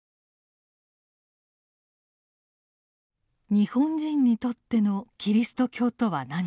日本人にとってのキリスト教とは何か。